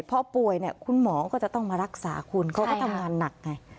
พอป่วยเนี่ยคุณหมอก็จะต้องมารักษาคุณเขาก็ทำงานหนักไง